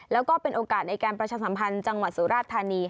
แล้วก็เป็นโอกาสในการประชาสัมพันธ์จังหวัดสุราชธานี